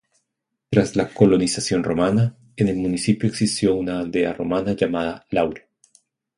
Tras la colonización romana, en el municipio existió una aldea romana llamada "Lauro".